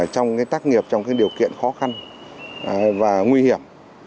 trong tác nghiệp trong điều kiện khó khăn và nguy hiểm